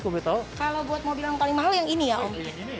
kalau buat mobil yang paling mahal yang ini ya om